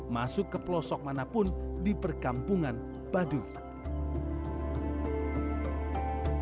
masuk ke pelosok manapun di perkampungan baduy